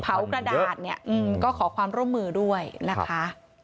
เผากระดาษก็ขอความร่วมมือด้วยนะคะ